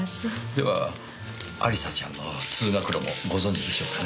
では亜里沙ちゃんの通学路もご存じでしょうかね？